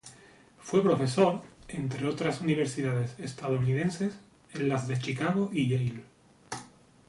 Fue profesor, entre otras universidades estadounidenses, en las de Chicago y Yale.